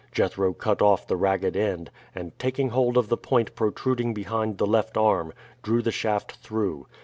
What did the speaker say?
Jethro cut off the ragged end, and taking hold of the point protruding behind the left arm, drew the shaft through.